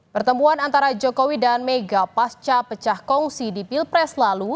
pertemuan antara jokowi dan mega pasca pecah kongsi di pilpres lalu